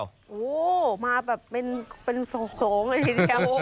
โอ้โหมาแบบเป็นโขลงอย่างนี้